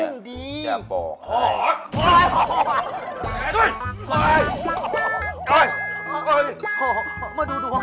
มาดูดวงกันครับ